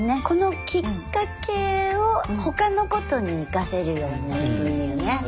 このきっかけをほかのことに生かせるようになるといいよね。